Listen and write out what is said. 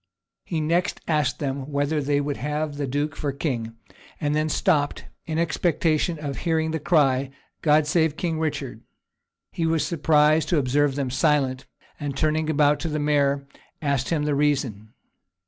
He next asked them whether they would have the duke for king; and then stopped, in expectation of hearing the cry, "God save King Richard." He was surprised to observe them silent; and turning about to the mayor, asked him the reason.